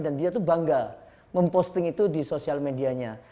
dan dia tuh bangga memposting itu di sosial medianya